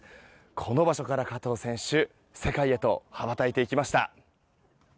この場所から加藤選手世界へと羽ばたいていきました。